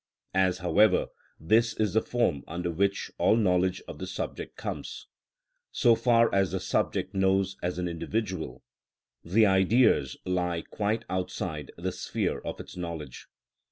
As, however, this is the form under which all knowledge of the subject comes, so far as the subject knows as an individual, the Ideas lie quite outside the sphere of its knowledge.